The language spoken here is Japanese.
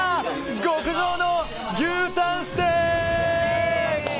極上の牛たんステーキ！